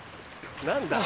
何だ？